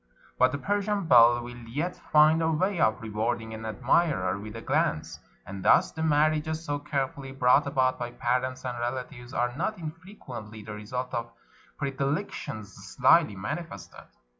But the Persian belle will yet find a way of rewarding an admirer with a glance; and thus the marriages so carefully brought about by parents and relatives are not infrequently the result of predilec tions slyly manifested.